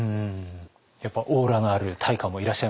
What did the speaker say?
やっぱオーラのある大家もいらっしゃいますか？